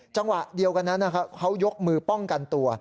จังหวะเดียวกันนั้นเขายกมือป้องกันตัว